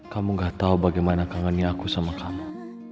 kamu gak tahu bagaimana kangennya aku sama kamu